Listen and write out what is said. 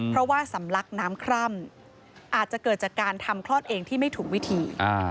เพราะว่าสำลักน้ำคร่ำอาจจะเกิดจากการทำคลอดเองที่ไม่ถูกวิธี